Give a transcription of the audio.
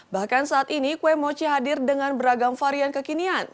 bahkan saat ini kue mochi hadir dengan beragam varian kekinian